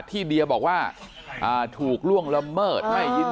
ที่เดียบอกว่าอ่าถูกล่วงละเมิด